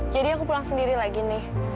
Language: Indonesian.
jadi aku pulang sendiri lagi nih